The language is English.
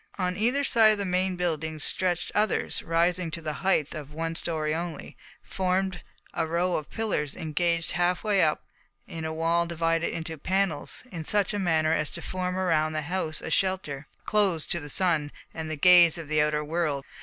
On either side of the main building stretched others rising to the height of one story only, formed of a row of pillars engaged half way up in a wall divided into panels in such a manner as to form around the house a shelter closed to the sun and the gaze of the outer world.